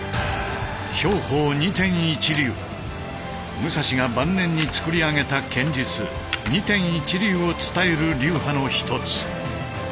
武蔵が晩年に創り上げた剣術「二天一流」を伝える流派の一つ。